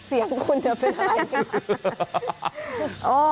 เสียงคุณจะเป็นอะไรกัน